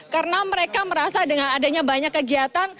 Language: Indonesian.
karena mereka merasa dengan adanya banyak kegiatan